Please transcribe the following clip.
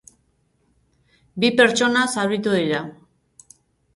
Bi pertsona zauritu dira.